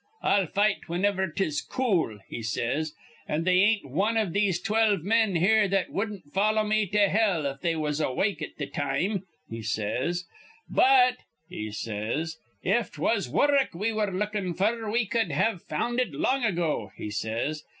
'I'll fight whiniver 'tis cool,' he says, 'an' they ain't wan iv these twelve men here that wudden't follow me to hell if they was awake at th' time,' he says; 'but,' he says, 'if 'twas wurruk we were lookin' f'r, we cud have found it long ago,' he says.